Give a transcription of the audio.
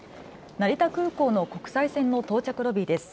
成田空港の国際線の到着ロビーです。